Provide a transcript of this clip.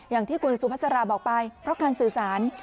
อย่างที่คุณสุภาษาราบอกไปเพราะการสื่อสาร